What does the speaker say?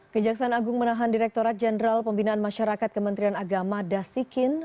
kejaksaan agung menahan direkturat jenderal pembinaan masyarakat kementerian agama dasikin